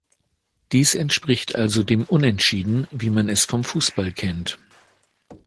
Dies entspricht also dem Unentschieden, wie man es vom Fußball kennt.